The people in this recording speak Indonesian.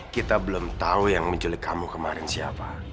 kita belum tahu yang menculik kamu kemarin siapa